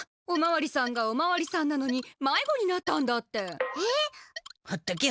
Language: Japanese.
おまわりさんがおまわりさんなのにまいごになったんだって。